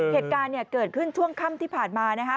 เหตุการณ์เนี่ยเกิดขึ้นช่วงค่ำที่ผ่านมานะคะ